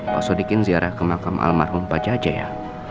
pak sodikin ziarah ke makam almarhum pak jaja ya